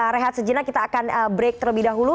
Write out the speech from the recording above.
rehat sejenak kita akan break terlebih dahulu